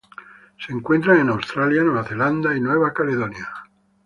Se encuentran en Australia, Nueva Zelanda y Nueva Caledonia.